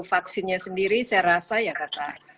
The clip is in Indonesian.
vaksinnya sendiri saya rasa ya kata